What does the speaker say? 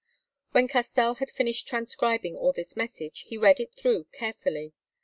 When Castell had finished transcribing all this passage he read it through carefully.